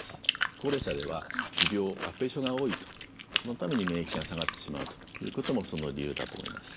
高齢者では持病合併症が多いとそのために免疫が下がってしまうということもその理由だと思います。